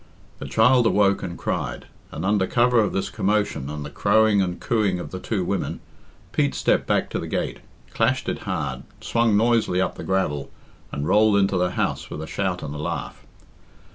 The child awoke and cried, and, under cover of this commotion and the crowing and cooing of the two women, Pete stepped back to the gate, clashed it hard, swung noisily up the gravel, and rolled into the house with a shout and a laugh.